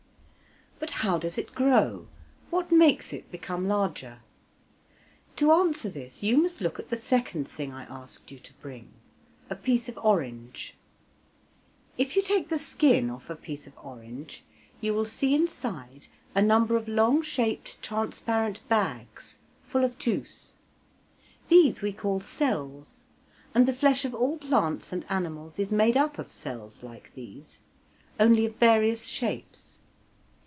But how does it grow? What makes it become larger? To answer this you must look at the second thing I asked you to bring a piece of orange. If you take the skin off a piece of orange, you will see inside a number of long shaped transparent bags, full of juice. These we call cells, and the flesh of all plants and animals is made up of cells like these, only of various shapes.